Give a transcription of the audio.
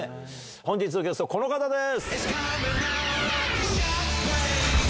本日のゲスト、この方です。